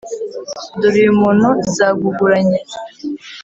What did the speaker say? dore uyu muntu zaguguranye